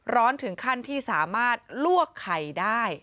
ร้อนถึงขั้นที่สามารถลวกไข่ได้